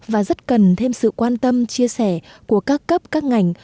và rất cần thêm sự quan tâm chia sẻ của các cấp các ngành